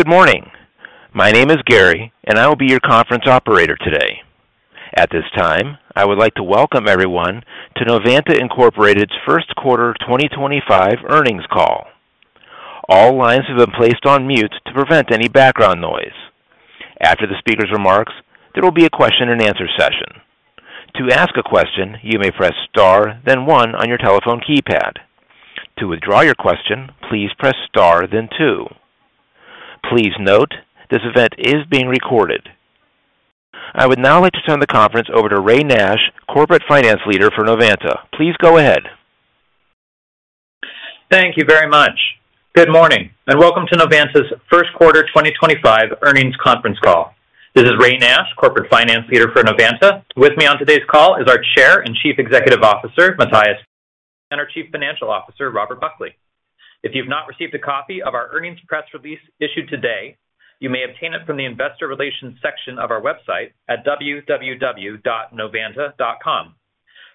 Good morning. My name is Gary, and I will be your conference operator today. At this time, I would like to welcome everyone to Novanta's Incorporated First Quarter 2025 earnings call. All lines have been placed on mute to prevent any background noise. After the speaker's remarks, there will be a question and answer session. To ask a question, you may press star, then one on your telephone keypad. To withdraw your question, please press star, then two. Please note, this event is being recorded. I would now like to turn the conference over to Ray Nash, Corporate Finance Leader for Novanta. Please go ahead. Thank you very much. Good morning and welcome to Novanta's first quarter 2025 earnings conference call. This is Ray Nash, Corporate Finance Leader for Novanta. With me on today's call is our Chair and Chief Executive Officer, Matthijs, and our Chief Financial Officer, Robert Buckley. If you've not received a copy of our earnings press release issued today, you may obtain it from the Investor Relations section of our website at www.novanta.com.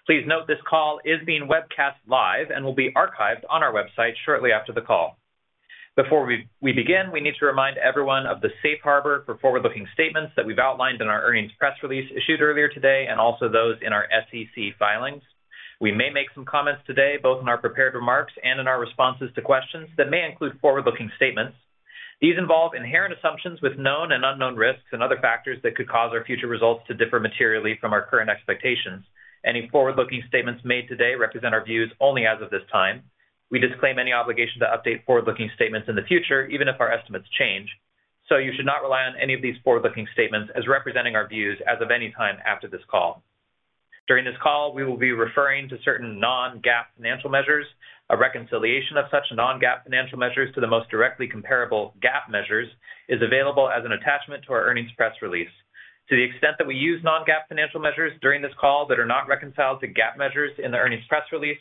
Please note this call is being webcast live and will be archived on our website shortly after the call. Before we begin, we need to remind everyone of the safe harbor for forward-looking statements that we've outlined in our earnings press release issued earlier today and also those in our SEC filings. We may make some comments today, both in our prepared remarks and in our responses to questions that may include forward-looking statements. These involve inherent assumptions with known and unknown risks and other factors that could cause our future results to differ materially from our current expectations. Any forward-looking statements made today represent our views only as of this time. We disclaim any obligation to update forward-looking statements in the future, even if our estimates change. You should not rely on any of these forward-looking statements as representing our views as of any time after this call. During this call, we will be referring to certain non-GAAP financial measures. A reconciliation of such non-GAAP financial measures to the most directly comparable GAAP measures is available as an attachment to our earnings press release. To the extent that we use non-GAAP financial measures during this call that are not reconciled to GAAP measures in the earnings press release,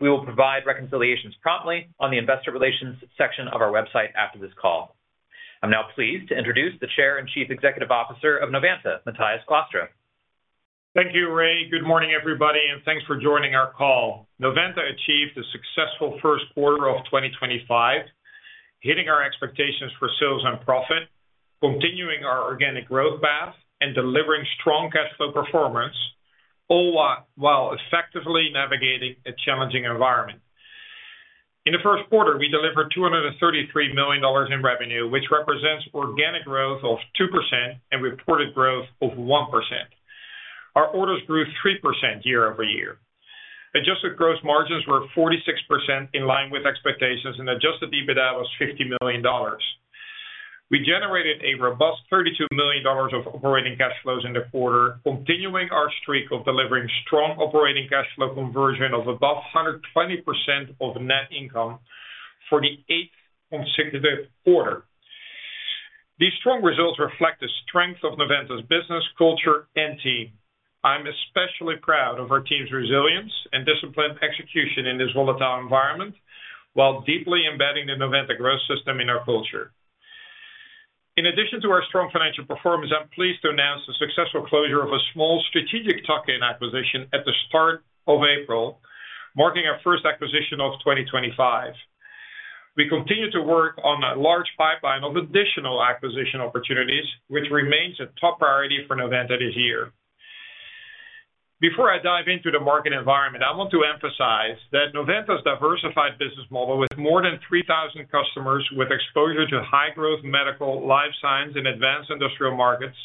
we will provide reconciliations promptly on the Investor Relations section of our website after this call. I'm now pleased to introduce the Chair and Chief Executive Officer of Novanta, Matthijs Glastra. Thank you, Ray. Good morning everybody, and thanks for joining our call. Novanta achieved a successful first quarter of 2025, hitting our expectations for sales and profit, continuing our organic growth path, and delivering strong cash flow performance, all while effectively navigating a challenging environment. In the first quarter, we delivered $233 million in revenue, which represents organic growth of 2% and reported growth of 1%. Our orders grew 3% year over year. Adjusted gross margins were 46%, in line with expectations, and adjusted EBITDA was $50 million. We generated a robust $32 million of operating cash flows in the quarter, continuing our streak of delivering strong operating cash flow conversion of above 120% of net income for the eighth consecutive quarter. These strong results reflect the strength of Novanta's business, culture, and team. I'm especially proud of our team's resilience and disciplined execution in this volatile environment while deeply embedding the Novanta Growth System in our culture. In addition to our strong financial performance, I'm pleased to announce the successful closure of a small strategic token acquisition at the start of April, marking our first acquisition of 2025. We continue to work on a large pipeline of additional acquisition opportunities, which remains a top priority for Novanta this year. Before I dive into the market environment, I want to emphasize that Novanta's diversified business model, with more than 3,000 customers with exposure to high-growth medical, life science, and advanced industrial markets,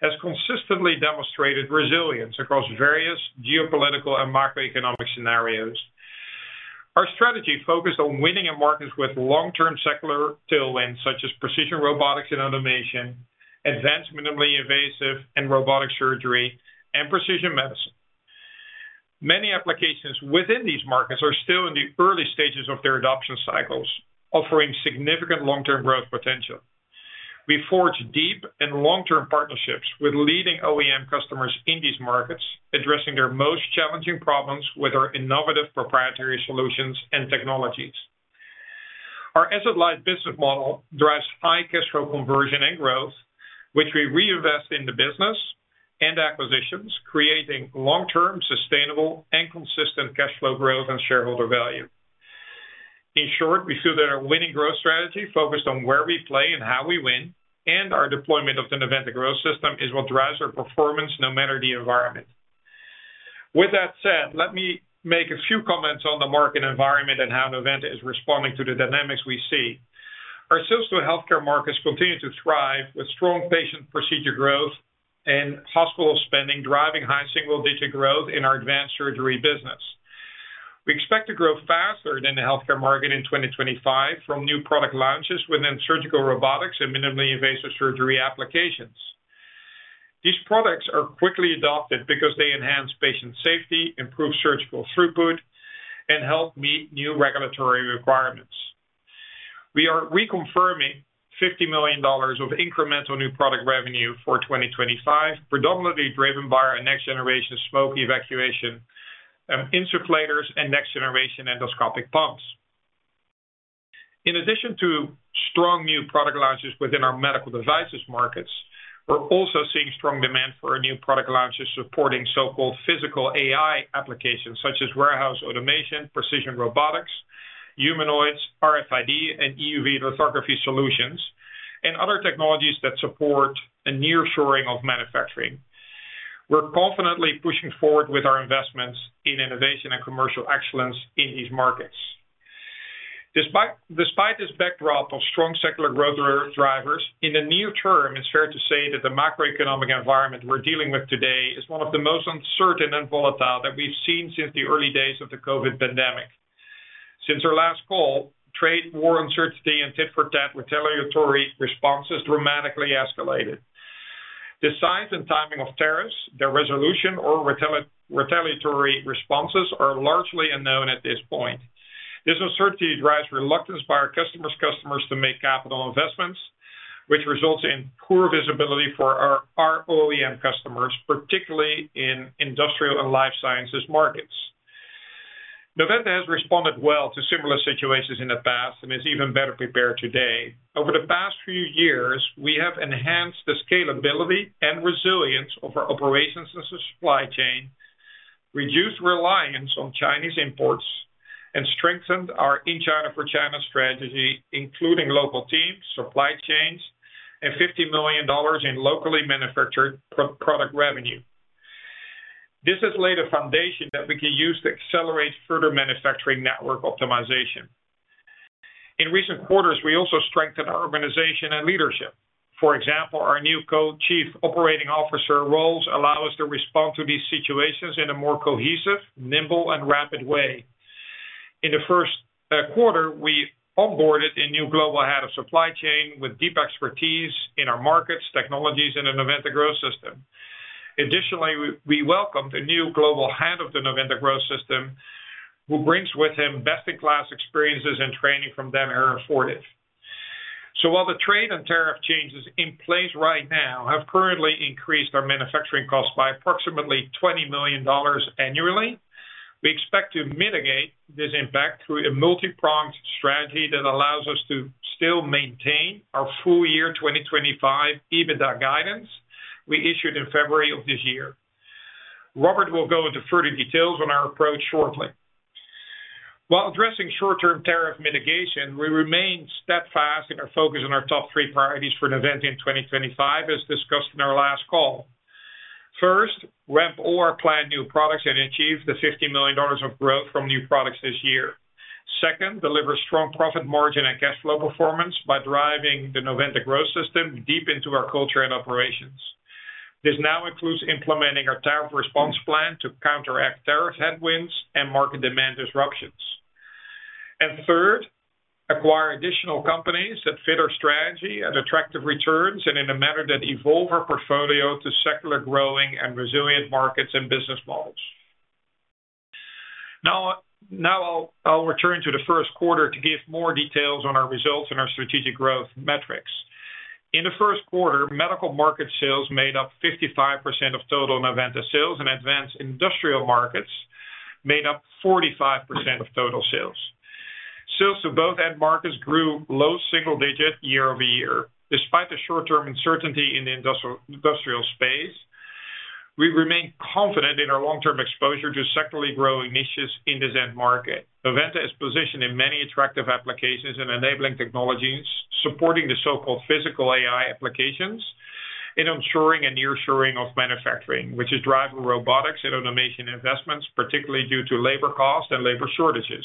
has consistently demonstrated resilience across various geopolitical and macroeconomic scenarios. Our strategy focused on winning in markets with long-term secular tailwinds such as precision robotics and automation, advanced minimally invasive and robotic surgery, and precision medicine. Many applications within these markets are still in the early stages of their adoption cycles, offering significant long-term growth potential. We forge deep and long-term partnerships with leading OEM customers in these markets, addressing their most challenging problems with our innovative proprietary solutions and technologies. Our asset-light business model drives high cash flow conversion and growth, which we reinvest in the business and acquisitions, creating long-term, sustainable, and consistent cash flow growth and shareholder value. In short, we feel that our winning growth strategy, focused on where we play and how we win, and our deployment of the Novanta Growth System, is what drives our performance no matter the environment. With that said, let me make a few comments on the market environment and how Novanta is responding to the dynamics we see. Our sales to healthcare markets continue to thrive, with strong patient procedure growth and hospital spending driving high single-digit growth in our Advanced Surgery business. We expect to grow faster than the healthcare market in 2025 from new product launches within surgical robotics and minimally invasive surgery applications. These products are quickly adopted because they enhance patient safety, improve surgical throughput, and help meet new regulatory requirements. We are reconfirming $50 million of incremental new product revenue for 2025, predominantly driven by our next-generation smoke evacuation insufflators and next-generation endoscopic pumps. In addition to strong new product launches within our medical devices markets, we're also seeing strong demand for our new product launches supporting so-called physical AI applications such as warehouse automation, precision robotics, humanoids, RFID, and EUV lithography solutions, and other technologies that support a near-shoring of manufacturing. We're confidently pushing forward with our investments in innovation and commercial excellence in these markets. Despite this backdrop of strong secular growth drivers, in the near term, it's fair to say that the macroeconomic environment we're dealing with today is one of the most uncertain and volatile that we've seen since the early days of the COVID pandemic. Since our last call, trade war uncertainty and tit-for-tat retaliatory responses dramatically escalated. The size and timing of tariffs, their resolution, or retaliatory responses are largely unknown at this point. This uncertainty drives reluctance by our customers' customers to make capital investments, which results in poor visibility for our OEM customers, particularly in industrial and life sciences markets. Novanta has responded well to similar situations in the past and is even better prepared today. Over the past few years, we have enhanced the scalability and resilience of our operations and supply chain, reduced reliance on Chinese imports, and strengthened our in-China for China strategy, including local teams, supply chains, and $50 million in locally manufactured product revenue. This has laid a foundation that we can use to accelerate further manufacturing network optimization. In recent quarters, we also strengthened our organization and leadership. For example, our new Co-Chief Operating Officer roles allow us to respond to these situations in a more cohesive, nimble, and rapid way. In the first quarter, we onboarded a new Global Head of Supply Chain with deep expertise in our markets, technologies, and the Novanta Growth System. Additionally, we welcomed a new Global Head of the Novanta Growth System, who brings with him best-in-class experiences and training from Danaher and Fortive. While the trade and tariff changes in place right now have currently increased our manufacturing costs by approximately $20 million annually, we expect to mitigate this impact through a multi-pronged strategy that allows us to still maintain our full year 2025 EBITDA guidance we issued in February of this year. Robert will go into further details on our approach shortly. While addressing short-term tariff mitigation, we remain steadfast in our focus on our top three priorities for Novanta in 2025, as discussed in our last call. First, ramp or plan new products and achieve the $50 million of growth from new products this year. Second, deliver strong profit margin and cash flow performance by driving the Novanta Growth System deep into our culture and operations. This now includes implementing our tariff response plan to counteract tariff headwinds and market demand disruptions. Third, acquire additional companies that fit our strategy at attractive returns and in a manner that evolves our portfolio to secular growing and resilient markets and business models. Now I'll return to the first quarter to give more details on our results and our strategic growth metrics. In the first quarter, medical market sales made up 55% of total Novanta sales, and advanced industrial markets made up 45% of total sales. Sales to both end markets grew low single-digit year over year. Despite the short-term uncertainty in the industrial space, we remain confident in our long-term exposure to sectorally growing niches in this end market. Novanta is positioned in many attractive applications and enabling technologies supporting the so-called physical AI applications and ensuring a near-shoring of manufacturing, which is driving robotics and automation investments, particularly due to labor costs and labor shortages.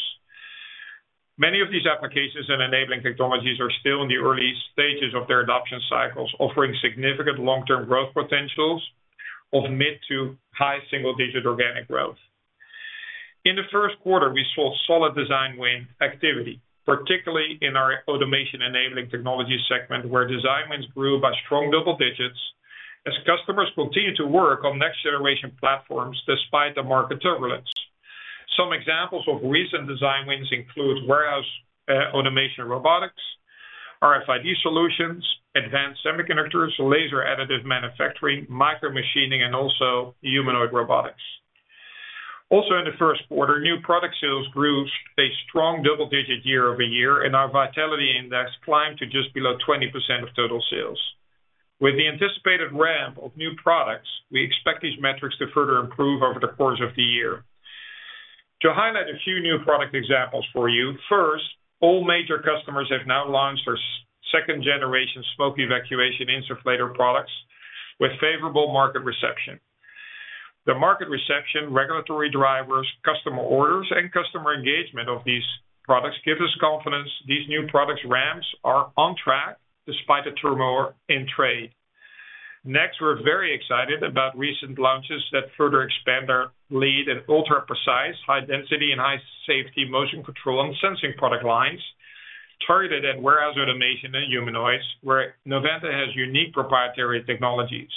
Many of these applications and enabling technologies are still in the early stages of their adoption cycles, offering significant long-term growth potentials of mid to high single-digit organic growth. In the first quarter, we saw solid design win activity, particularly in our automation enabling technology segment, where design wins grew by strong double digits as customers continued to work on next-generation platforms despite the market turbulence. Some examples of recent design wins include warehouse automation robotics, RFID solutions, advanced semiconductors, laser additive manufacturing, micro machining, and also humanoid robotics. Also, in the first quarter, new product sales grew a strong double-digit year over year, and our Vitality Index climbed to just below 20% of total sales. With the anticipated ramp of new products, we expect these metrics to further improve over the course of the year. To highlight a few new product examples for you, first, all major customers have now launched their second-generation smoke evacuation insufflator products with favorable market reception. The market reception, regulatory drivers, customer orders, and customer engagement of these products give us confidence these new product ramps are on track despite a turmoil in trade. Next, we're very excited about recent launches that further expand our lead in ultra-precise, high-density, and high-safety motion control and sensing product lines targeted at warehouse automation and humanoids, where Novanta has unique proprietary technologies.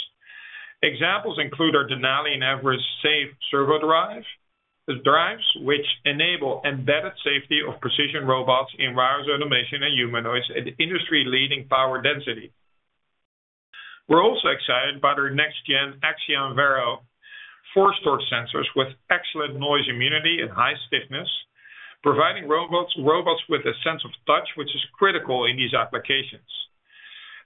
Examples include our Denali and Everest Safe servo drives, which enable embedded safety of precision robots in warehouse automation and humanoids at industry-leading power density. We're also excited by their next-gen Axia and Vero force torque sensors with excellent noise immunity and high stiffness, providing robots with a sense of touch, which is critical in these applications.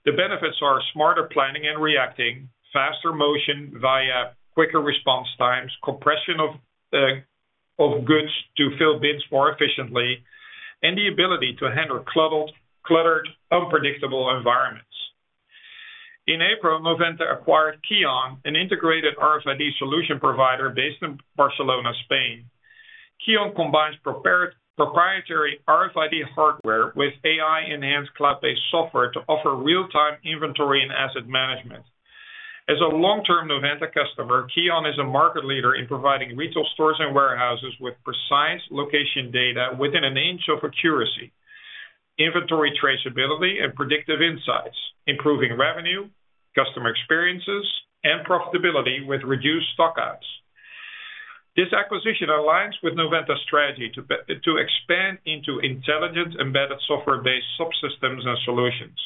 The benefits are smarter planning and reacting, faster motion via quicker response times, compression of goods to fill bins more efficiently, and the ability to handle cluttered, unpredictable environments. In April, Novanta acquired Keonn, an integrated RFID solution provider based in Barcelona, Spain. Keonn combines proprietary RFID hardware with AI-enhanced cloud-based software to offer real-time inventory and asset management. As a long-term Novanta customer, Keonn is a market leader in providing retail stores and warehouses with precise location data within an inch of accuracy, inventory traceability, and predictive insights, improving revenue, customer experiences, and profitability with reduced stockouts. This acquisition aligns with Novanta's strategy to expand into intelligent embedded software-based subsystems and solutions.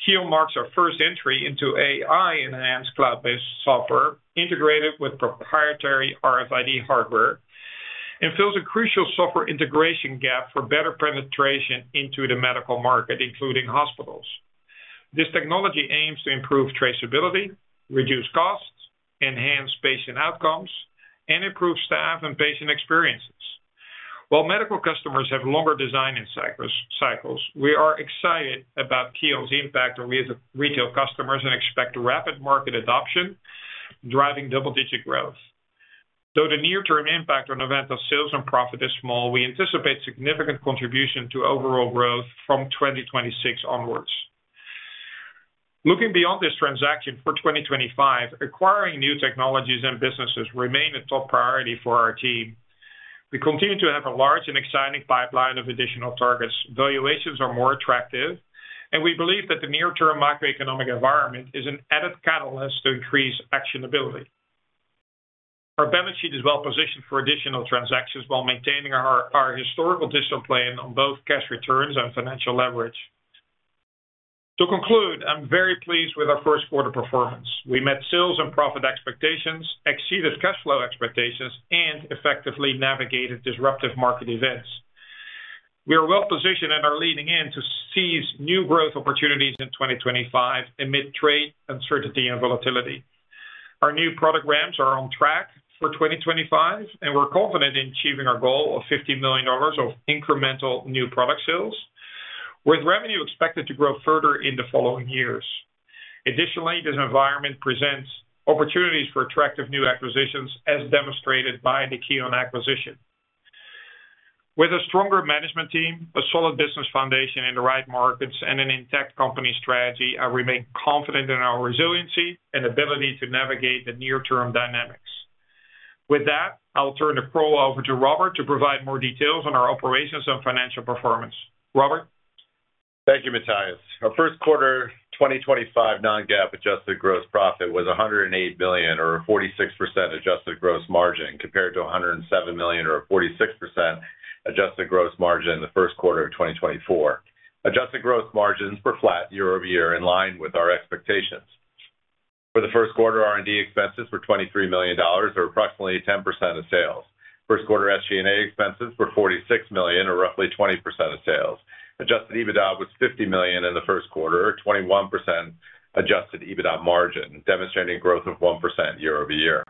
Keonn marks our first entry into AI-enhanced cloud-based software integrated with proprietary RFID hardware and fills a crucial software integration gap for better penetration into the medical market, including hospitals. This technology aims to improve traceability, reduce costs, enhance patient outcomes, and improve staff and patient experiences. While medical customers have longer design cycles, we are excited about Keonn's impact on retail customers and expect rapid market adoption, driving double-digit growth. Though the near-term impact on Novanta's sales and profit is small, we anticipate significant contribution to overall growth from 2026 onwards. Looking beyond this transaction for 2025, acquiring new technologies and businesses remains a top priority for our team. We continue to have a large and exciting pipeline of additional targets. Valuations are more attractive, and we believe that the near-term macroeconomic environment is an added catalyst to increase actionability. Our balance sheet is well-positioned for additional transactions while maintaining our historical discipline on both cash returns and financial leverage. To conclude, I'm very pleased with our first quarter performance. We met sales and profit expectations, exceeded cash flow expectations, and effectively navigated disruptive market events. We are well-positioned in our leading end to seize new growth opportunities in 2025 amid trade uncertainty and volatility. Our new product ramps are on track for 2025, and we're confident in achieving our goal of $50 million of incremental new product sales, with revenue expected to grow further in the following years. Additionally, this environment presents opportunities for attractive new acquisitions, as demonstrated by the Keonn acquisition. With a stronger management team, a solid business foundation in the right markets, and an intact company strategy, I remain confident in our resiliency and ability to navigate the near-term dynamics. With that, I'll turn the call over to Robert to provide more details on our operations and financial performance. Robert? Thank you, Matthijs. Our first quarter 2025 non-GAAP adjusted gross profit was $108 million, or a 46% adjusted gross margin, compared to $107 million, or a 46% adjusted gross margin in the first quarter of 2024. Adjusted gross margins were flat year over year, in line with our expectations. For the first quarter, R&D expenses were $23 million, or approximately 10% of sales. First quarter SG&A expenses were $46 million, or roughly 20% of sales. Adjusted EBITDA was $50 million in the first quarter, or 21% adjusted EBITDA margin, demonstrating a growth of 1% year over year.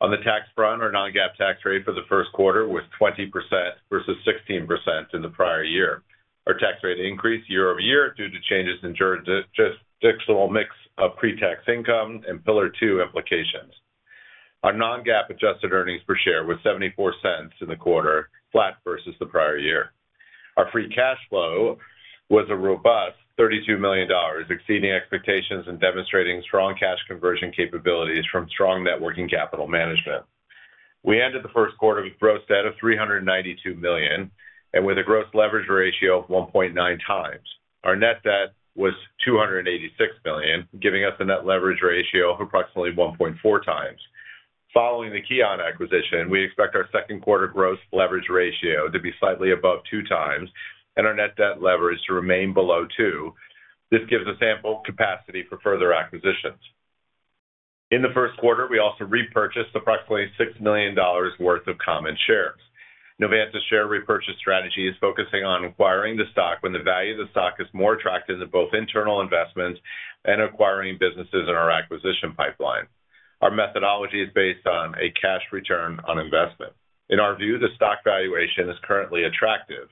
On the tax front, our non-GAAP tax rate for the first quarter was 20% versus 16% in the prior year. Our tax rate increased year over year due to changes in the jurisdictional mix of pre-tax income and Pillar Two implications. Our non-GAAP adjusted earnings per share was $0.74 in the quarter, flat versus the prior year. Our free cash flow was a robust $32 million, exceeding expectations and demonstrating strong cash conversion capabilities from strong networking capital management. We ended the first quarter with a gross debt of $392 million and with a gross leverage ratio of 1.9x. Our net debt was $286 million, giving us a net leverage ratio of approximately 1.4x. Following the Keonn acquisition, we expect our second quarter gross leverage ratio to be slightly above 2x and our net debt leverage to remain below 2x. This gives us ample capacity for further acquisitions. In the first quarter, we also repurchased approximately $6 million worth of common shares. Novanta's share repurchase strategy is focusing on acquiring the stock when the value of the stock is more attractive than both internal investments and acquiring businesses in our acquisition pipeline. Our methodology is based on a cash return on investment. In our view, the stock valuation is currently attractive,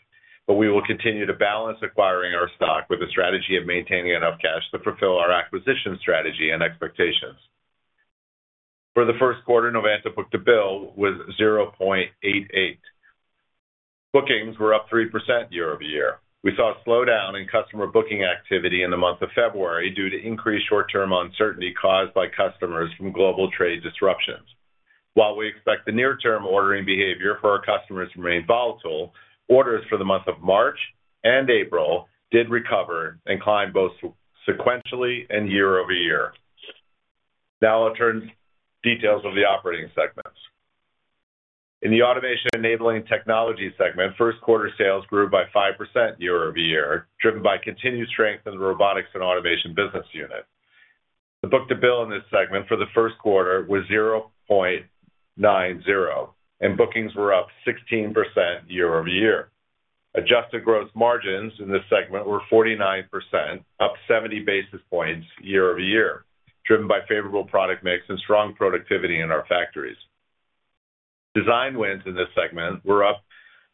but we will continue to balance acquiring our stock with a strategy of maintaining enough cash to fulfill our acquisition strategy and expectations. For the first quarter, Novanta's book to bill was 0.88. Bookings were up 3% year over year. We saw a slowdown in customer booking activity in the month of February due to increased short-term uncertainty caused by customers from global trade disruptions. While we expect the near-term ordering behavior for our customers to remain volatile, orders for the month of March and April did recover and climbed both sequentially and year over year. Now I'll turn to details of the operating segments. In the automation enabling technology segment, first quarter sales grew by 5% year over year, driven by continued strength in the robotics and automation business unit. The book to bill in this segment for the first quarter was 0.90, and bookings were up 16% year over year. Adjusted gross margins in this segment were 49%, up 70 basis points year over year, driven by favorable product mix and strong productivity in our factories. Design wins in this segment were up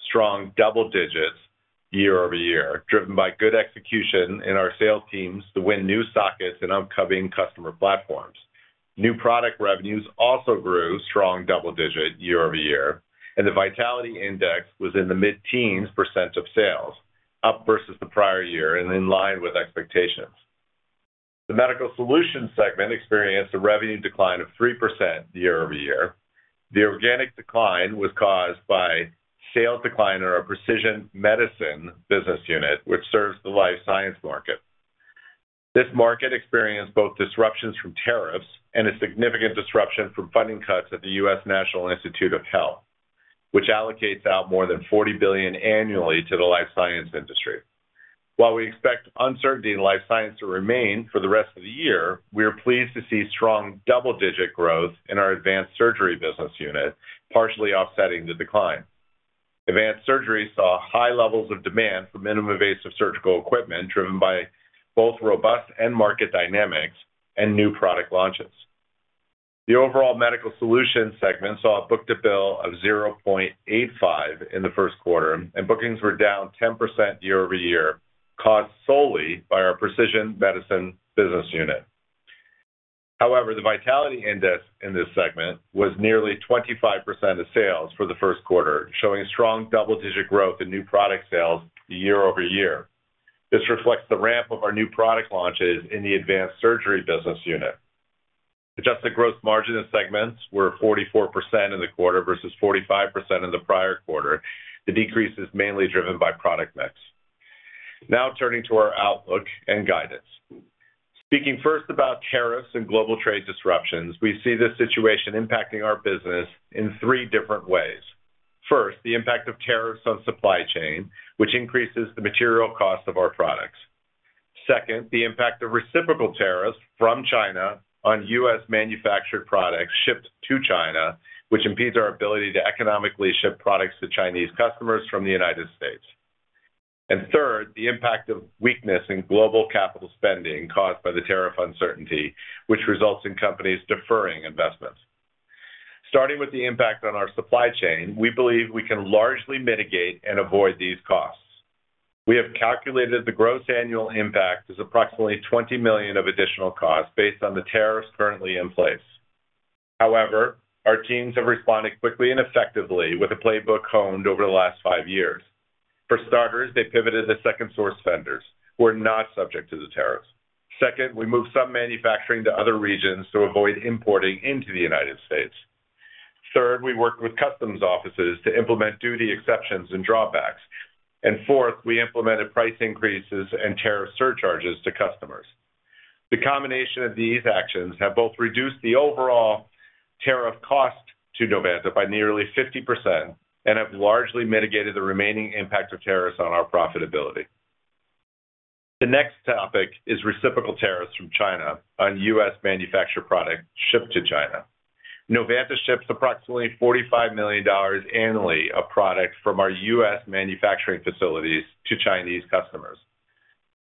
strong double digits year over year, driven by good execution in our sales teams to win new sockets and upcoming customer platforms. New product revenues also grew strong double digits year over year, and the vitality index was in the mid-teens % of sales, up versus the prior year and in line with expectations. The medical solutions segment experienced a revenue decline of 3% year over year. The organic decline was caused by sales decline in our Precision Medicine business unit, which serves the life science market. This market experienced both disruptions from tariffs and a significant disruption from funding cuts at the U.S. National Institute of Health, which allocates out more than $40 billion annually to the life science industry. While we expect uncertainty in life science to remain for the rest of the year, we are pleased to see strong double-digit growth in our Advanced Surgery business unit, partially offsetting the decline. Advanced Surgery saw high levels of demand for minimum invasive surgical equipment, driven by both robust end market dynamics and new product launches. The overall medical solutions segment saw a book to bill of 0.85 in the first quarter, and bookings were down 10% year over year, caused solely by our precision medicine business unit. However, the vitality index in this segment was nearly 25% of sales for the first quarter, showing strong double-digit growth in new product sales year over year. This reflects the ramp of our new product launches in the Advanced Surgery business unit. Adjusted gross margin in segments were 44% in the quarter versus 45% in the prior quarter. The decrease is mainly driven by product mix. Now turning to our outlook and guidance. Speaking first about tariffs and global trade disruptions, we see this situation impacting our business in three different ways. First, the impact of tariffs on supply chain, which increases the material cost of our products. Second, the impact of reciprocal tariffs from China on U.S. Manufactured products shipped to China, which impedes our ability to economically ship products to Chinese customers from the United States. Third, the impact of weakness in global capital spending caused by the tariff uncertainty, which results in companies deferring investments. Starting with the impact on our supply chain, we believe we can largely mitigate and avoid these costs. We have calculated the gross annual impact as approximately $20 million of additional costs based on the tariffs currently in place. However, our teams have responded quickly and effectively with a playbook honed over the last five years. For starters, they pivoted to second source vendors, who are not subject to the tariffs. Second, we moved some manufacturing to other regions to avoid importing into the United States. Third, we worked with customs offices to implement duty exceptions and drawbacks. Fourth, we implemented price increases and tariff surcharges to customers. The combination of these actions has both reduced the overall tariff cost to Novanta by nearly 50% and has largely mitigated the remaining impact of tariffs on our profitability. The next topic is reciprocal tariffs from China on U.S. manufactured products shipped to China. Novanta ships approximately $45 million annually of products from our U.S. manufacturing facilities to Chinese customers.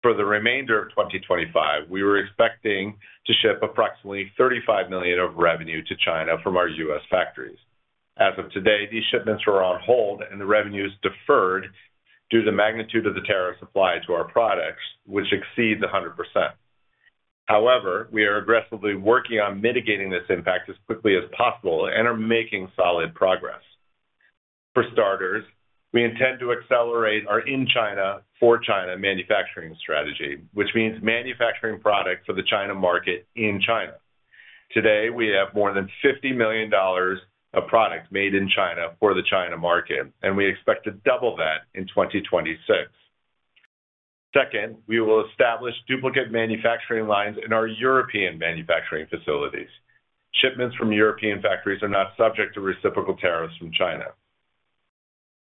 For the remainder of 2025, we were expecting to ship approximately $35 million of revenue to China from our U.S. factories. As of today, these shipments were on hold, and the revenues deferred due to the magnitude of the tariffs applied to our products, which exceed 100%. However, we are aggressively working on mitigating this impact as quickly as possible and are making solid progress. For starters, we intend to accelerate our in-China, for-China manufacturing strategy, which means manufacturing products for the China market in China. Today, we have more than $50 million of products made in China for the China market, and we expect to double that in 2026. Second, we will establish duplicate manufacturing lines in our European manufacturing facilities. Shipments from European factories are not subject to reciprocal tariffs from China.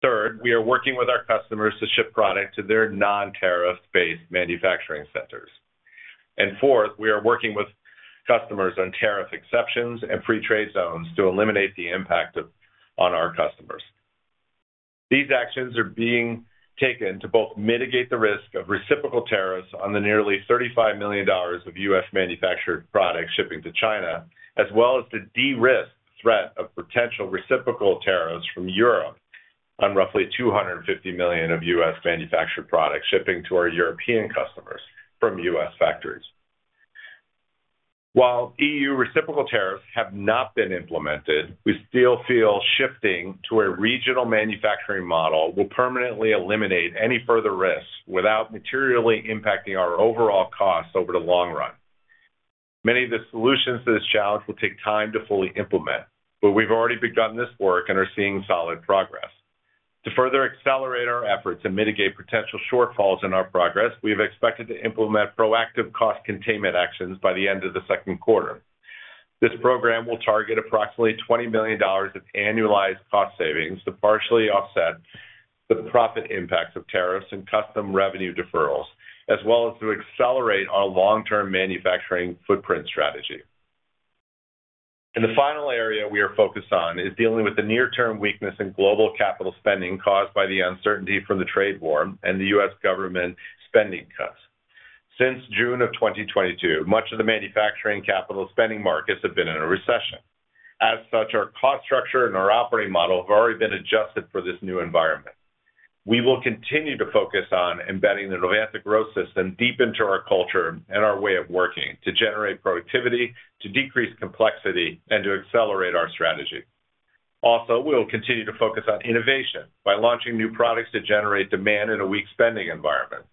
Third, we are working with our customers to ship product to their non-tariff-based manufacturing centers. Fourth, we are working with customers on tariff exceptions and free trade zones to eliminate the impact on our customers. These actions are being taken to both mitigate the risk of reciprocal tariffs on the nearly $35 million of U.S. manufactured products shipping to China, as well as to de-risk the threat of potential reciprocal tariffs from Europe on roughly $250 million of U.S. manufactured products shipping to our European customers from U.S. factories. While EU reciprocal tariffs have not been implemented, we still feel shifting to a regional manufacturing model will permanently eliminate any further risk without materially impacting our overall costs over the long run. Many of the solutions to this challenge will take time to fully implement, but we've already begun this work and are seeing solid progress. To further accelerate our efforts and mitigate potential shortfalls in our progress, we have expected to implement proactive cost containment actions by the end of the second quarter. This program will target approximately $20 million of annualized cost savings to partially offset the profit impacts of tariffs and custom revenue deferrals, as well as to accelerate our long-term manufacturing footprint strategy. The final area we are focused on is dealing with the near-term weakness in global capital spending caused by the uncertainty from the trade war and the U.S. government spending cuts. Since June of 2022, much of the manufacturing capital spending markets have been in a recession. As such, our cost structure and our operating model have already been adjusted for this new environment. We will continue to focus on embedding the Novanta Growth System deep into our culture and our way of working to generate productivity, to decrease complexity, and to accelerate our strategy. Also, we will continue to focus on innovation by launching new products to generate demand in a weak spending environment.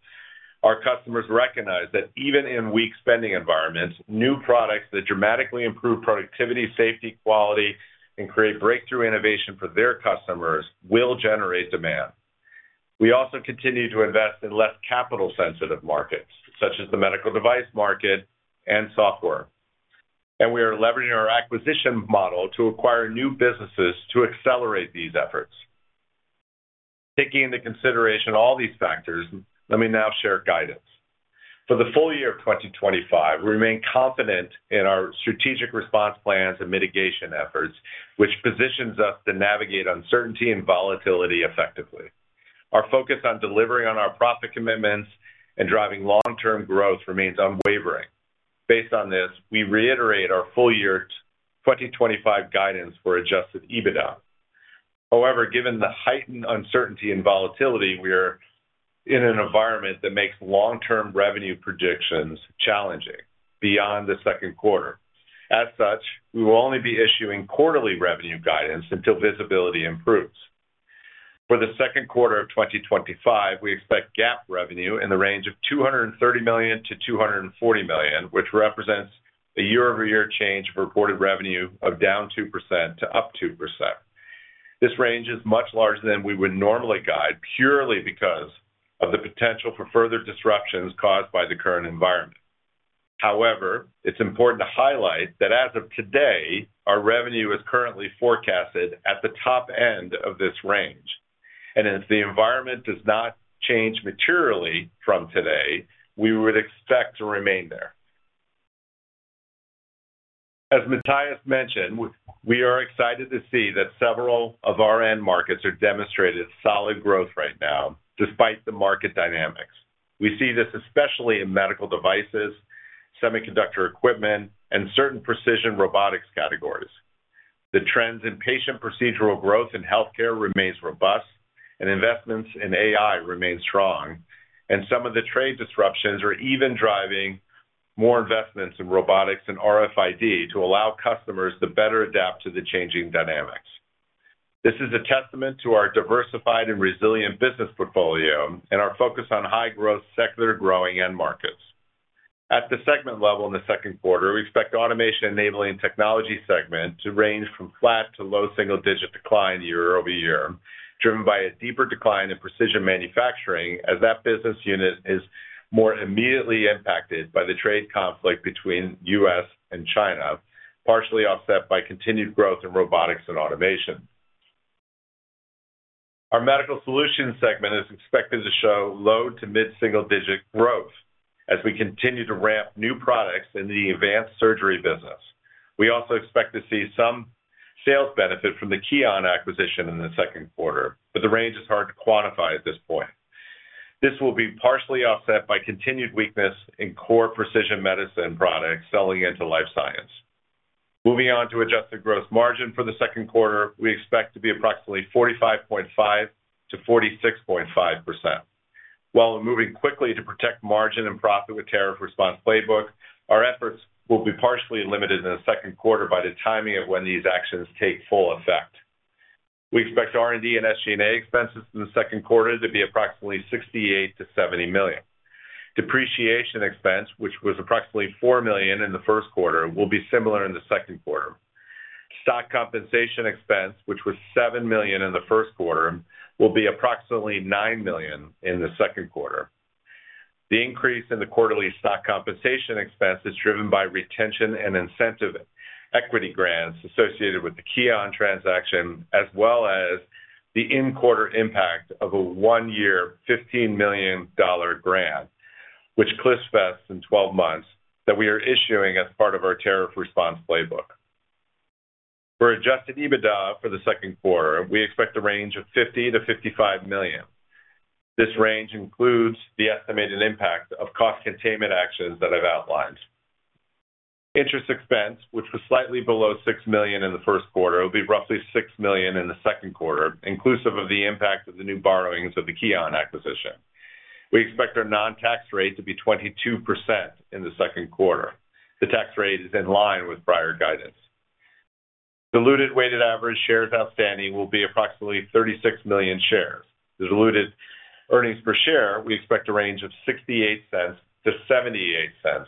Our customers recognize that even in weak spending environments, new products that dramatically improve productivity, safety, quality, and create breakthrough innovation for their customers will generate demand. We also continue to invest in less capital-sensitive markets, such as the medical device market and software. We are leveraging our acquisition model to acquire new businesses to accelerate these efforts. Taking into consideration all these factors, let me now share guidance. For the full year of 2025, we remain confident in our strategic response plans and mitigation efforts, which positions us to navigate uncertainty and volatility effectively. Our focus on delivering on our profit commitments and driving long-term growth remains unwavering. Based on this, we reiterate our full year 2025 guidance for adjusted EBITDA. However, given the heightened uncertainty and volatility, we are in an environment that makes long-term revenue predictions challenging beyond the second quarter. As such, we will only be issuing quarterly revenue guidance until visibility improves. For the second quarter of 2025, we expect GAAP revenue in the range of $230 million-$240 million, which represents a year-over-year change of reported revenue of down 2% to up 2%. This range is much larger than we would normally guide purely because of the potential for further disruptions caused by the current environment. However, it's important to highlight that as of today, our revenue is currently forecasted at the top end of this range. If the environment does not change materially from today, we would expect to remain there. As Matthijs mentioned, we are excited to see that several of our end markets are demonstrating solid growth right now despite the market dynamics. We see this especially in medical devices, semiconductor equipment, and certain precision robotics categories. The trends in patient procedural growth in healthcare remain robust, and investments in AI remain strong, and some of the trade disruptions are even driving more investments in robotics and RFID to allow customers to better adapt to the changing dynamics. This is a testament to our diversified and resilient business portfolio and our focus on high-growth secular growing end markets. At the segment level in the second quarter, we expect automation enabling technology segment to range from flat to low single-digit decline year over year, driven by a deeper decline in precision manufacturing as that business unit is more immediately impacted by the trade conflict between the U.S. and China, partially offset by continued growth in robotics and automation. Our Medical Solutions segment is expected to show low to mid-single-digit growth as we continue to ramp new products in the Advanced Surgery business. We also expect to see some sales benefit from the Keonn acquisition in the second quarter, but the range is hard to quantify at this point. This will be partially offset by continued weakness in core precision medicine products selling into life science. Moving on to adjusted gross margin for the second quarter, we expect to be approximately 45.5%-46.5%. While we're moving quickly to protect margin and profit with tariff response playbook, our efforts will be partially limited in the second quarter by the timing of when these actions take full effect. We expect R&D and SG&A expenses in the second quarter to be approximately $68 million-$70 million. Depreciation expense, which was approximately $4 million in the first quarter, will be similar in the second quarter. Stock compensation expense, which was $7 million in the first quarter, will be approximately $9 million in the second quarter. The increase in the quarterly stock compensation expense is driven by retention and incentive equity grants associated with the Keonn transaction, as well as the in-quarter impact of a one-year $15 million grant, which cliff vests in 12 months that we are issuing as part of our tariff response playbook. For adjusted EBITDA for the second quarter, we expect a range of $50 million-$55 million. This range includes the estimated impact of cost containment actions that I've outlined. Interest expense, which was slightly below $6 million in the first quarter, will be roughly $6 million in the second quarter, inclusive of the impact of the new borrowings of the Keonn acquisition. We expect our non-tax rate to be 22% in the second quarter. The tax rate is in line with prior guidance. Diluted weighted average shares outstanding will be approximately 36 million shares. The diluted earnings per share, we expect a range of $0.68-$0.78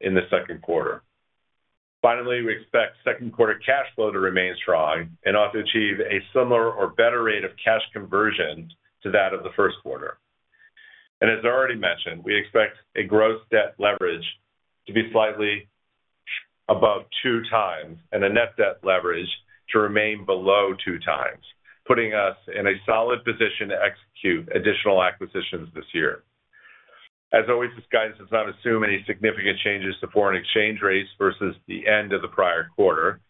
in the second quarter. Finally, we expect second quarter cash flow to remain strong and also achieve a similar or better rate of cash conversion to that of the first quarter. As already mentioned, we expect a gross debt leverage to be slightly above two times and a net debt leverage to remain below two times, putting us in a solid position to execute additional acquisitions this year. As always, this guidance does not assume any significant changes to foreign exchange rates versus the end of the prior quarter.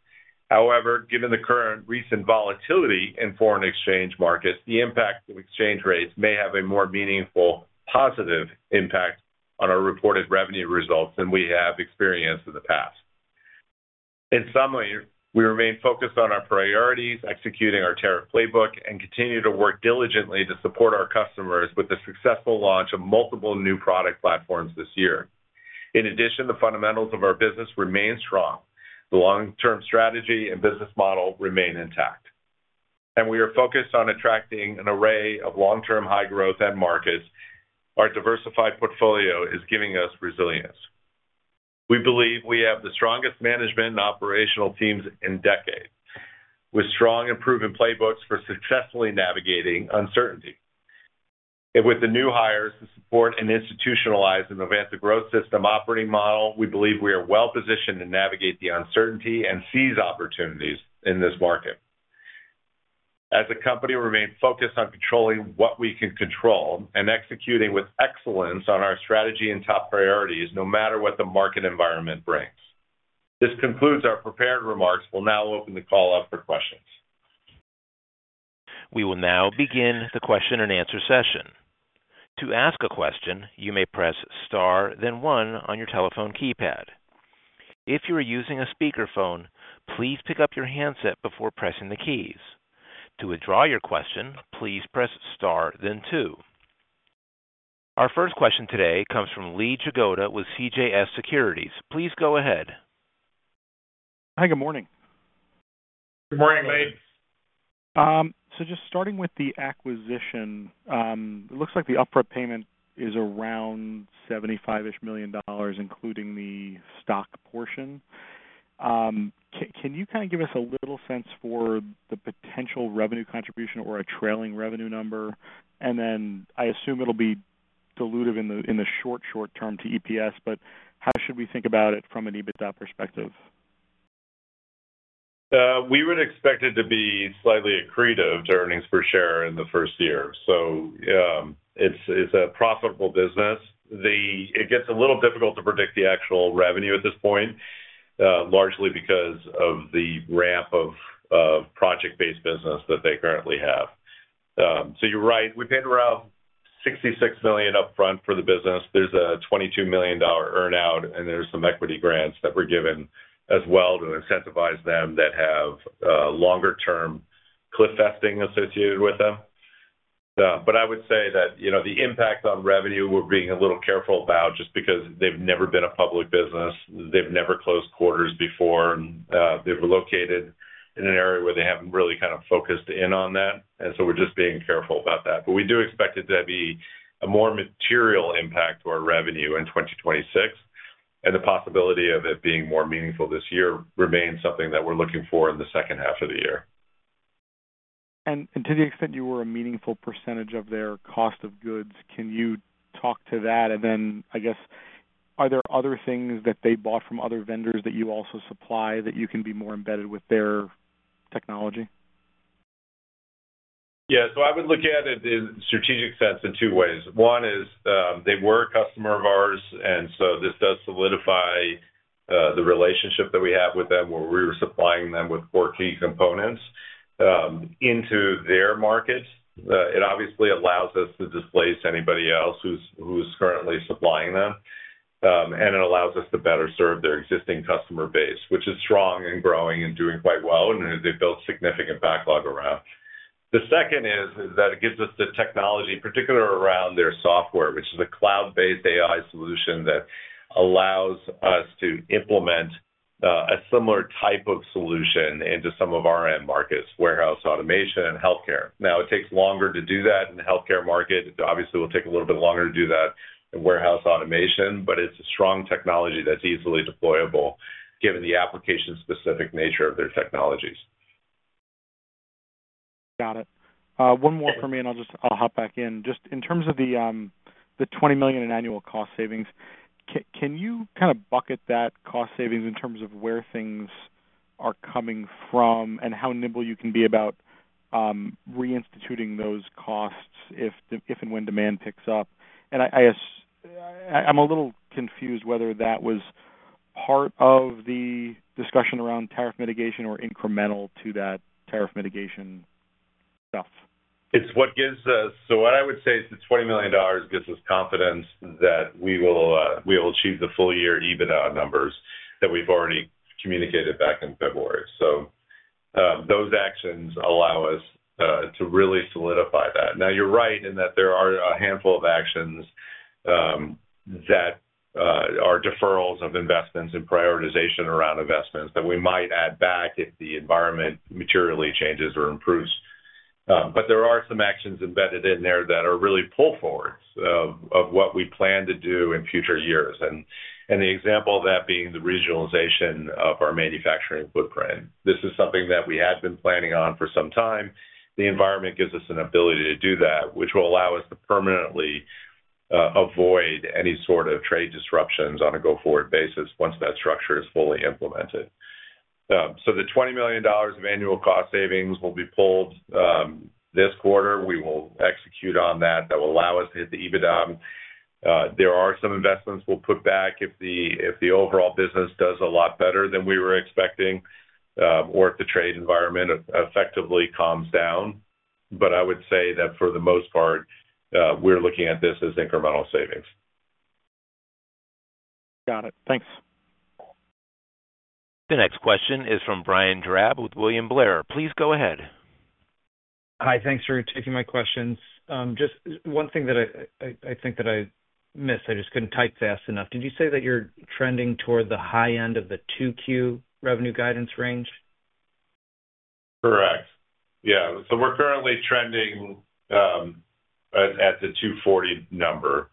However, given the current recent volatility in foreign exchange markets, the impact of exchange rates may have a more meaningful positive impact on our reported revenue results than we have experienced in the past. In summary, we remain focused on our priorities, executing our tariff playbook, and continue to work diligently to support our customers with the successful launch of multiple new product platforms this year. In addition, the fundamentals of our business remain strong. The long-term strategy and business model remain intact. We are focused on attracting an array of long-term high-growth end markets. Our diversified portfolio is giving us resilience. We believe we have the strongest management and operational teams in decades, with strong and proven playbooks for successfully navigating uncertainty. With the new hires to support and institutionalize the Novanta Growth System operating model, we believe we are well-positioned to navigate the uncertainty and seize opportunities in this market. As a company, we remain focused on controlling what we can control and executing with excellence on our strategy and top priorities, no matter what the market environment brings. This concludes our prepared remarks. We'll now open the call up for questions. We will now begin the question and answer session. To ask a question, you may press star, then one on your telephone keypad. If you are using a speakerphone, please pick up your handset before pressing the keys. To withdraw your question, please press star, then two. Our first question today comes from Lee Jagoda with CJS Securities. Please go ahead. Hi, good morning. Good morning, Lee. Just starting with the acquisition, it looks like the upfront payment is around $75-ish million, including the stock portion. Can you kind of give us a little sense for the potential revenue contribution or a trailing revenue number? I assume it'll be dilutive in the short term to EPS, but how should we think about it from an EBITDA perspective? We would expect it to be slightly accretive to earnings per share in the first year. It's a profitable business. It gets a little difficult to predict the actual revenue at this point, largely because of the ramp of project-based business that they currently have. You are right. We paid around $66 million upfront for the business. There is a $22 million earnout, and there are some equity grants that were given as well to incentivize them that have longer-term cliff vesting associated with them. I would say that the impact on revenue, we are being a little careful about just because they've never been a public business. They've never closed quarters before. They are located in an area where they haven't really kind of focused in on that. We are just being careful about that. We do expect it to be a more material impact to our revenue in 2026. The possibility of it being more meaningful this year remains something that we're looking for in the second half of the year. To the extent you were a meaningful % of their cost of goods, can you talk to that? I guess, are there other things that they bought from other vendors that you also supply, that you can be more embedded with their technology? Yeah. I would look at it in a strategic sense in two ways. One is they were a customer of ours, and this does solidify the relationship that we have with them where we were supplying them with core key components into their markets. It obviously allows us to displace anybody else who is currently supplying them. It allows us to better serve their existing customer base, which is strong and growing and doing quite well, and they have built significant backlog around. The second is that it gives us the technology, particularly around their software, which is a cloud-based AI solution that allows us to implement a similar type of solution into some of our end markets, warehouse automation and healthcare. It takes longer to do that in the healthcare market. Obviously, it will take a little bit longer to do that in warehouse automation, but it is a strong technology that's easily deployable given the application-specific nature of their technologies. Got it. One more for me, and I will hop back in. Just in terms of the $20 million in annual cost savings, can you kind of bucket that cost savings in terms of where things are coming from and how nimble you can be about reinstituting those costs if and when demand picks up? I guess I'm a little confused whether that was part of the discussion around tariff mitigation or incremental to that tariff mitigation stuff. It's what gives us, so what I would say is the $20 million gives us confidence that we will achieve the full year EBITDA numbers that we've already communicated back in February. Those actions allow us to really solidify that. Now, you're right in that there are a handful of actions that are deferrals of investments and prioritization around investments that we might add back if the environment materially changes or improves. There are some actions embedded in there that are really pull forwards of what we plan to do in future years. The example of that being the regionalization of our manufacturing footprint. This is something that we had been planning on for some time. The environment gives us an ability to do that, which will allow us to permanently avoid any sort of trade disruptions on a go-forward basis once that structure is fully implemented. The $20 million of annual cost savings will be pulled this quarter. We will execute on that. That will allow us to hit the EBITDA. There are some investments we'll put back if the overall business does a lot better than we were expecting or if the trade environment effectively calms down. I would say that for the most part, we're looking at this as incremental savings. Got it. Thanks. The next question is from Brian Drab with William Blair. Please go ahead. Hi. Thanks for taking my questions. Just one thing I think that I missed, I just couldn't type fast enough. Did you say that you're trending toward the high end of the 2Q revenue guidance range? Correct. Yeah. So we're currently trending at the $240 million number.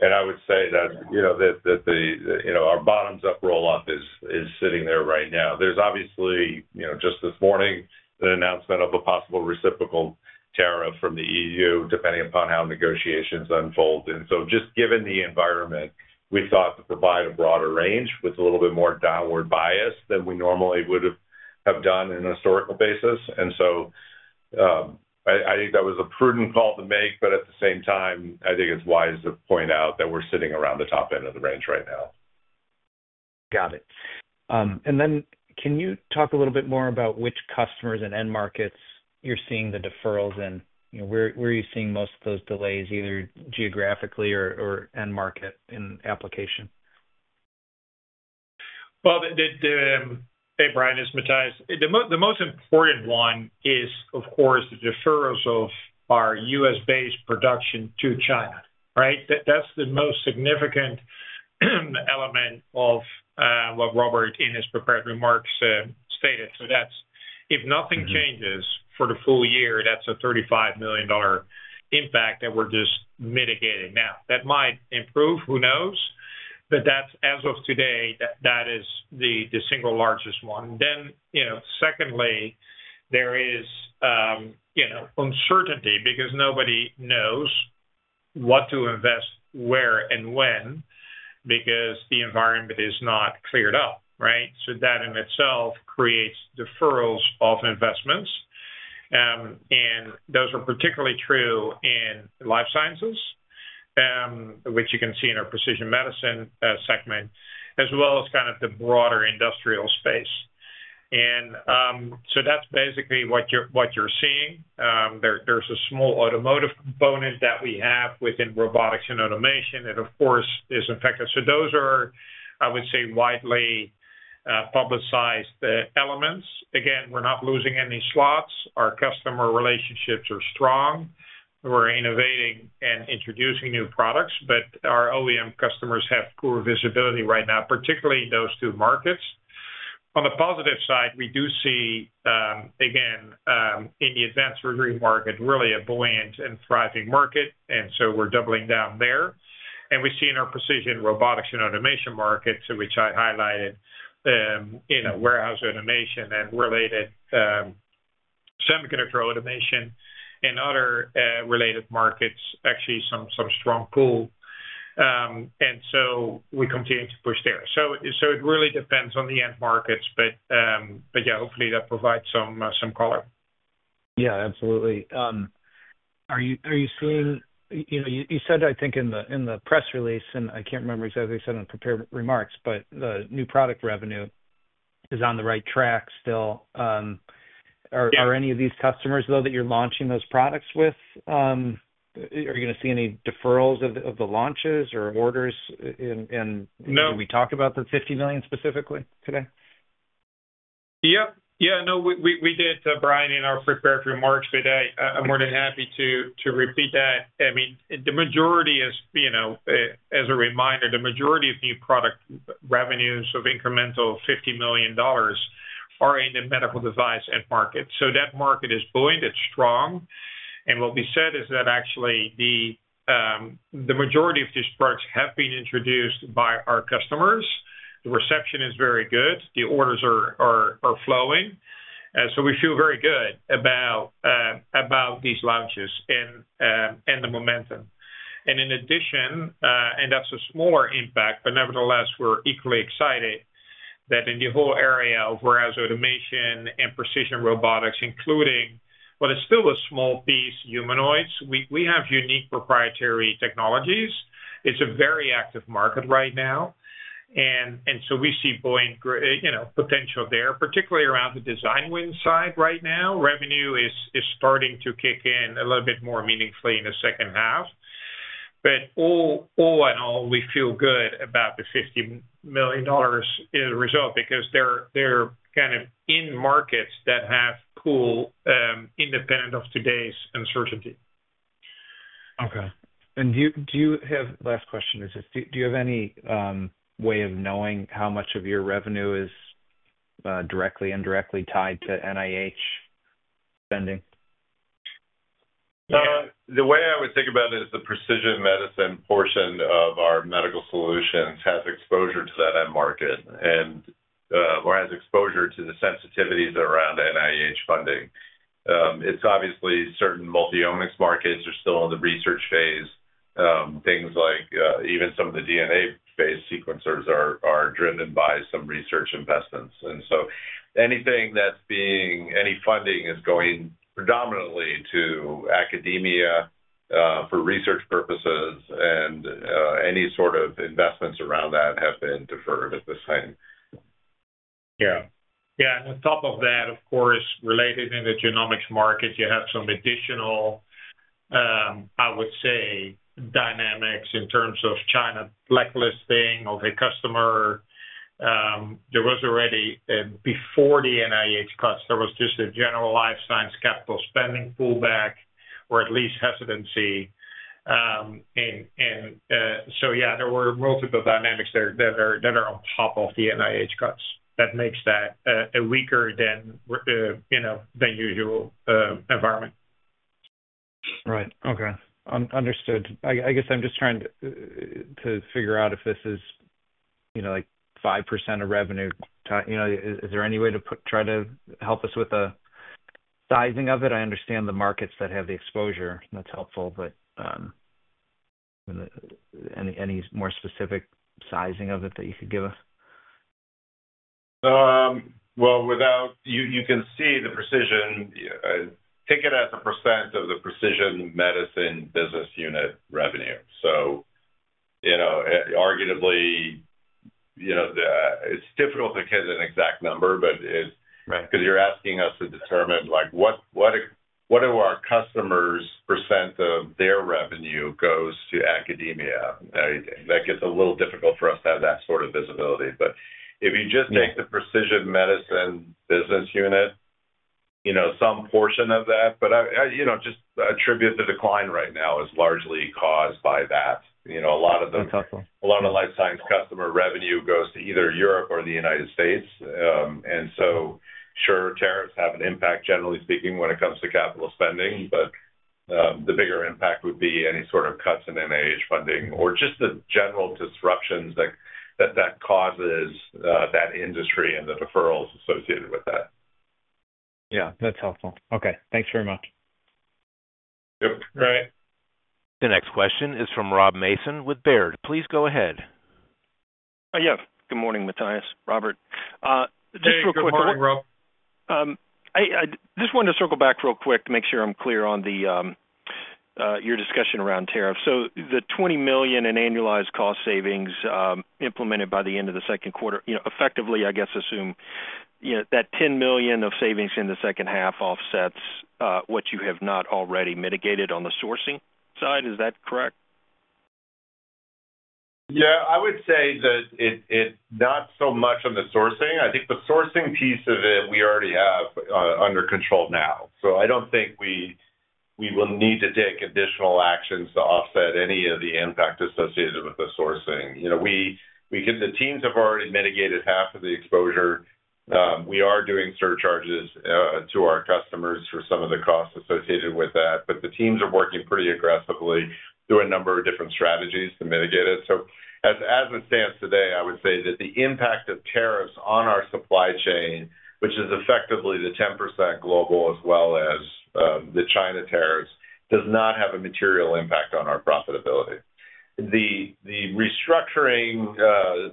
And I would say that our bottoms-up roll-up is sitting there right now. There's obviously, just this morning, an announcement of a possible reciprocal tariff from the EU, depending upon how negotiations unfold. Just given the environment, we thought to provide a broader range with a little bit more downward bias than we normally would have done in a historical basis. I think that was a prudent call to make, but at the same time, I think it's wise to point out that we're sitting around the top end of the range right now. Got it. Can you talk a little bit more about which customers and end markets you're seeing the deferrals in? Where are you seeing most of those delays, either geographically or end market in application? Hey Brian, this is Matthijs. The most important one is, of course, the deferrals of our U.S.-based production to China, right? That's the most significant element of what Robert in his prepared remarks stated. If nothing changes for the full year, that's a $35 million impact that we're just mitigating now. That might improve, who knows? As of today, that is the single largest one. Secondly, there is uncertainty because nobody knows what to invest, where, and when because the environment is not cleared up, right? That in itself creates deferrals of investments. Those are particularly true in life sciences, which you can see in our precision medicine segment, as well as kind of the broader industrial space. That's basically what you're seeing. There's a small automotive component that we have within robotics and automation. It, of course, is affected. Those are, I would say, widely publicized elements. Again, we're not losing any slots. Our customer relationships are strong. We're innovating and introducing new products, but our OEM customers have poor visibility right now, particularly in those two markets. On the positive side, we do see, again, in the Advanced Surgery market, really a buoyant and thriving market. And so we're doubling down there. We see in our precision robotics and automation markets, which I highlighted, warehouse automation and related semiconductor automation and other related markets, actually some strong pull. We continue to push there. It really depends on the end markets, but yeah, hopefully that provides some color. Yeah, absolutely. Are you seeing, you said, I think, in the press release, and I cannot remember exactly what you said in the prepared remarks, but the new product revenue is on the right track still. Are any of these customers, though, that you are launching those products with, are you going to see any deferrals of the launches or orders? Did we talk about the $50 million specifically today? Yeah. No, we did, Brian, in our prepared remarks, but I am more than happy to repeat that. I mean, the majority is, as a reminder, the majority of new product revenues of incremental $50 million are in the medical device end market. That market is buoyant. It's strong. What we said is that actually the majority of these products have been introduced by our customers. The reception is very good. The orders are flowing. We feel very good about these launches and the momentum. In addition, and that's a smaller impact, but nevertheless, we're equally excited that in the whole area of warehouse automation and precision robotics, including what is still a small piece, humanoids, we have unique proprietary technologies. It's a very active market right now. We see buoyant potential there, particularly around the design wins side right now. Revenue is starting to kick in a little bit more meaningfully in the second half. All in all, we feel good about the $50 million result because they're kind of in markets that have pull independent of today's uncertainty. Okay. Do you have, last question is just, do you have any way of knowing how much of your revenue is directly and indirectly tied to NIH spending? The way I would think about it is the precision medicine portion of our medical solutions has exposure to that end market or has exposure to the sensitivities around NIH funding. It's obviously certain multi-omics markets are still in the research phase. Things like even some of the DNA-based sequencers are driven by some research investments. Anything that's being, any funding is going predominantly to academia for research purposes, and any sort of investments around that have been deferred at this time. On top of that, of course, related in the genomics market, you have some additional, I would say, dynamics in terms of China blacklisting of a customer. There was already before the NIH cuts, there was just a general life science capital spending pullback or at least hesitancy. Yeah, there were multiple dynamics that are on top of the NIH cuts that makes that a weaker than usual environment. Right. Okay. Understood. I guess I'm just trying to figure out if this is like 5% of revenue. Is there any way to try to help us with the sizing of it? I understand the markets that have the exposure. That's helpful, but any more specific sizing of it that you could give us? You can see the precision. Take it as a percent of the precision medicine business unit revenue. Arguably, it's difficult to hit an exact number, but because you're asking us to determine what of our customers' percent of their revenue goes to academia, that gets a little difficult for us to have that sort of visibility. If you just take the precision medicine business unit, some portion of that, but just attribute the decline right now is largely caused by that. That's helpful. A lot of life science customer revenue goes to either Europe or the United States. Tariffs have an impact, generally speaking, when it comes to capital spending, but the bigger impact would be any sort of cuts in NIH funding or just the general disruptions that causes that industry and the deferrals associated with that. Yeah. That's helpful. Okay. Thanks very much. Yes. All right. The next question is from Rob Mason with Baird. Please go ahead. Yes. Good morning, Matthijs. Robert. Just real quick. Hey, good morning Rob. I just wanted to circle back real quick to make sure I'm clear on your discussion around tariffs. So the $20 million in annualized cost savings implemented by the end of the second quarter, effectively, I guess, assume that $10 million of savings in the second half offsets what you have not already mitigated on the sourcing side. Is that correct? Yeah. I would say that it's not so much on the sourcing. I think the sourcing piece of it we already have under control now. So I don't think we will need to take additional actions to offset any of the impact associated with the sourcing. The teams have already mitigated half of the exposure. We are doing surcharges to our customers for some of the costs associated with that, but the teams are working pretty aggressively through a number of different strategies to mitigate it. As it stands today, I would say that the impact of tariffs on our supply chain, which is effectively the 10% global as well as the China tariffs, does not have a material impact on our profitability. The restructuring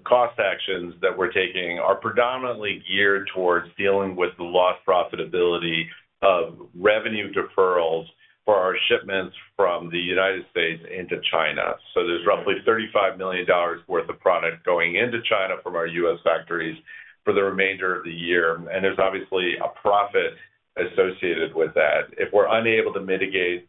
cost actions that we are taking are predominantly geared towards dealing with the lost profitability of revenue deferrals for our shipments from the United States into China. There is roughly $35 million worth of product going into China from our US factories for the remainder of the year. There is obviously a profit associated with that. If we're unable to mitigate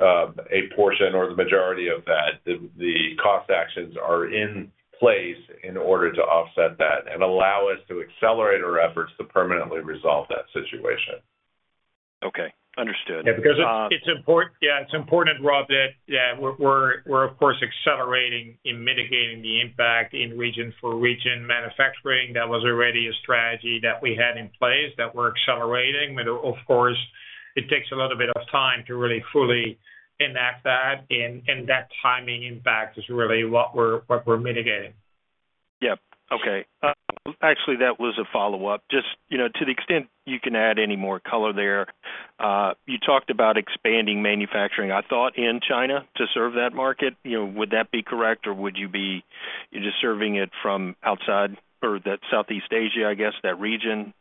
a portion or the majority of that, the cost actions are in place in order to offset that and allow us to accelerate our efforts to permanently resolve that situation. Okay. Understood. Yeah. Because it's important, yeah, it's important, Rob, that we're, of course, accelerating in mitigating the impact in region for region manufacturing. That was already a strategy that we had in place that we're accelerating. Of course, it takes a little bit of time to really fully enact that. That timing impact is really what we're mitigating. Yes. Okay. Actually, that was a follow-up. Just to the extent you can add any more color there, you talked about expanding manufacturing, I thought, in China to serve that market. Would that be correct, or would you be just serving it from outside or that Southeast Asia, I guess, that region?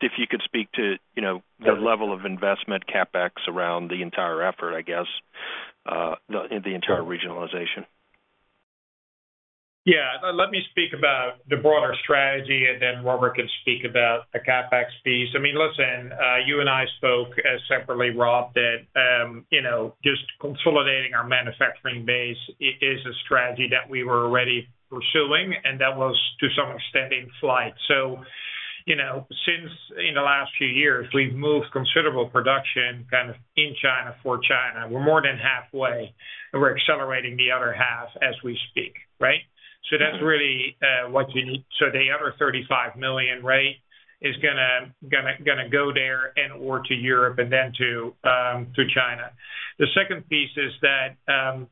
If you could speak to the level of investment CapEx around the entire effort, I guess, the entire regionalization. Yeah. Let me speak about the broader strategy, and then Robert can speak about the CapEx piece. I mean, listen, you and I spoke separately, Rob, that just consolidating our manufacturing base is a strategy that we were already pursuing, and that was to some extent in flight. Since in the last few years, we've moved considerable production kind of in China for China. We're more than halfway, and we're accelerating the other half as we speak, right? That's really what you need. The other $35 million is going to go there and/or to Europe and then to China. The second piece is that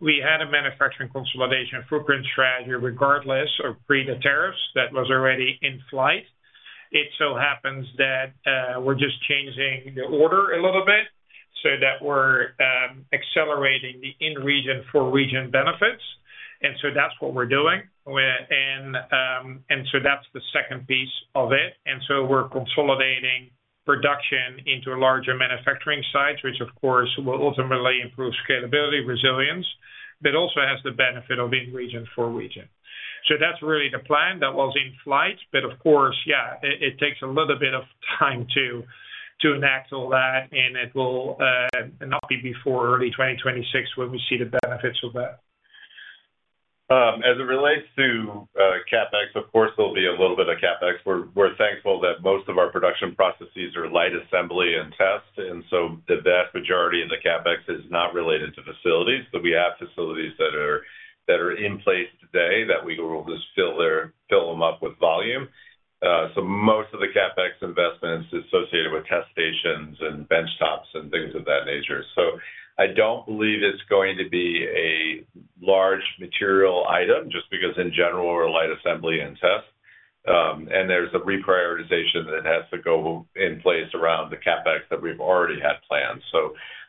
we had a manufacturing consolidation footprint strategy regardless of pre the tariffs that was already in flight. It so happens that we're just changing the order a little bit so that we're accelerating the in-region for region benefits. That's what we're doing. That's the second piece of it. We're consolidating production into larger manufacturing sites, which, of course, will ultimately improve scalability, resilience, but also has the benefit of in-region for region. That is really the plan that was in flight. Of course, it takes a little bit of time to enact all that, and it will not be before early 2026 when we see the benefits of that. As it relates to CapEx, of course, there will be a little bit of CapEx. We're thankful that most of our production processes are light assembly and test. The vast majority of the CapEx is not related to facilities. We have facilities that are in place today that we will just fill them up with volume. Most of the CapEx investments is associated with test stations and benchtops and things of that nature. I don't believe it is going to be a large material item just because, in general, we are light assembly and test. There is a reprioritization that has to go in place around the CapEx that we have already had planned.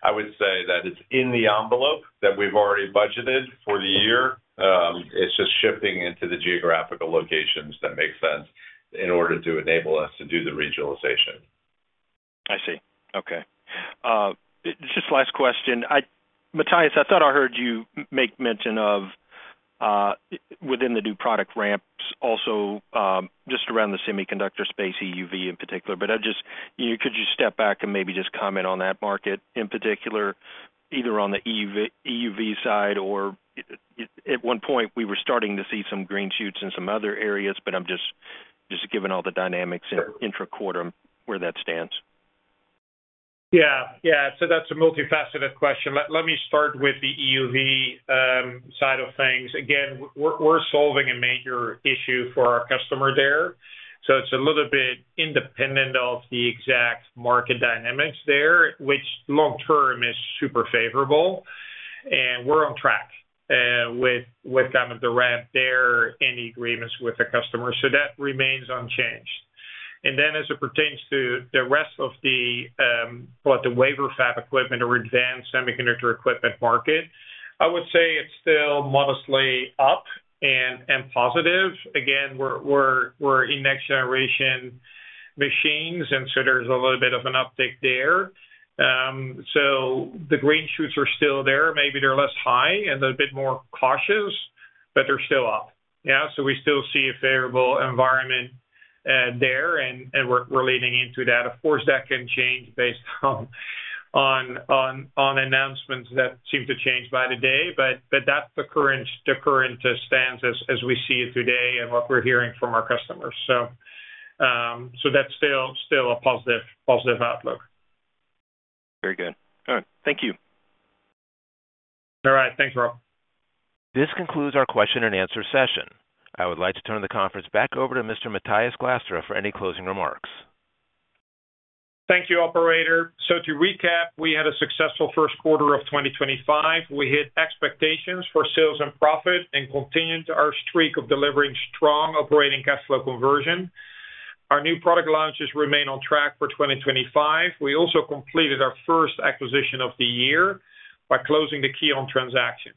I would say that it is in the envelope that we have already budgeted for the year. It's just shifting into the geographical locations that make sense in order to enable us to do the regionalization. I see. Okay. Just the last question. Matthijs, I thought I heard you make mention of within the new product ramps also just around the semiconductor space, EUV in particular, but could you step back and maybe just comment on that market in particular, either on the EUV side or at one point we were starting to see some green shoots in some other areas, but I'm just given all the dynamics intra quarter where that stands. Yeah. So that's a multifaceted question. Let me start with the EUV side of things. Again, we're solving a major issue for our customer there. So it's a little bit independent of the exact market dynamics there, which long-term is super favorable. And we're on track with kind of the ramp there and the agreements with the customer. So that remains unchanged. As it pertains to the rest of the, what, the wafer fab equipment or advanced semiconductor equipment market, I would say it's still modestly up and positive. Again, we're in next-generation machines, and so there's a little bit of an uptick there. The green shoots are still there. Maybe they're less high and they're a bit more cautious, but they're still up. Yeah. We still see a favorable environment there, and we're leading into that. Of course, that can change based on announcements that seem to change by the day, but that's the current stance as we see it today and what we're hearing from our customers. That's still a positive outlook. Very good. All right. Thank you. All right. Thanks, Rob. This concludes our question and answer session. I would like to turn the conference back over to Mr. Matthijs Glastra for any closing remarks. Thank you, Operator. To recap, we had a successful first quarter of 2025. We hit expectations for sales and profit and continued our streak of delivering strong operating cash flow conversion. Our new product launches remain on track for 2025. We also completed our first acquisition of the year by closing the Keonn transaction.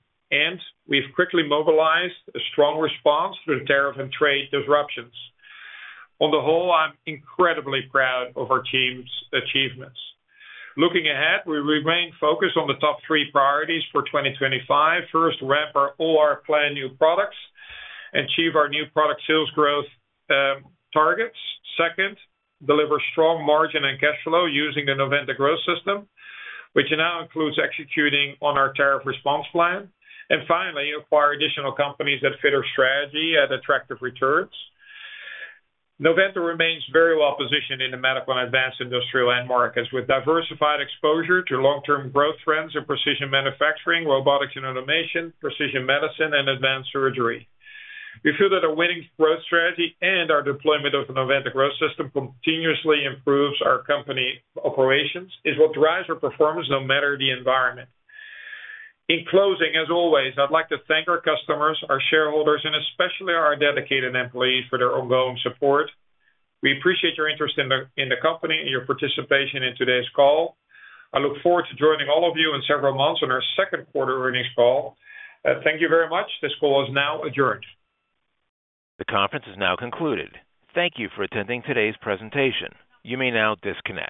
We have quickly mobilized a strong response through tariff and trade disruptions. On the whole, I'm incredibly proud of our team's achievements. Looking ahead, we remain focused on the top three priorities for 2025. First, ramp our OR plan new products, achieve our new product sales growth targets. Second, deliver strong margin and cash flow using the Novanta Growth System, which now includes executing on our tariff response plan. Finally, acquire additional companies that fit our strategy at attractive returns. Novanta remains very well positioned in the medical and advanced industrial end markets with diversified exposure to long-term growth trends in precision manufacturing, robotics and automation, precision medicine, and advanced surgery. We feel that our winning growth strategy and our deployment of the Novanta Growth System continuously improves our company operations, is what drives our performance no matter the environment. In closing, as always, I'd like to thank our customers, our shareholders, and especially our dedicated employees for their ongoing support. We appreciate your interest in the company and your participation in today's call. I look forward to joining all of you in several months on our second quarter earnings call. Thank you very much. This call is now adjourned. The conference is now concluded. Thank you for attending today's presentation. You may now disconnect.